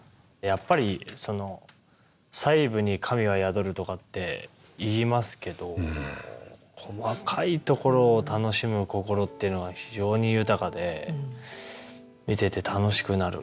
やっぱり細部に神は宿るとかっていいますけど細かいところを楽しむ心っていうのが非常に豊かで見てて楽しくなる。